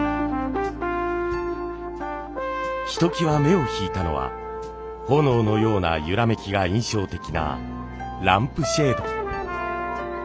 ひときわ目を引いたのは炎のようなゆらめきが印象的なランプシェード。